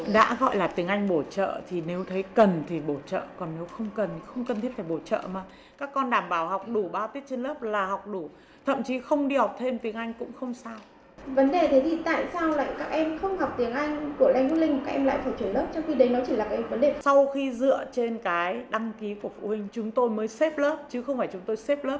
sau khi dựa trên cái đăng ký của phụ huynh chúng tôi mới xếp lớp chứ không phải chúng tôi xếp lớp trước rồi chúng tôi bắt học sinh vào lớp đó